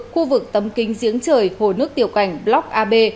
khu vực tấm kính giếng trời hồ nước tiểu cành block ab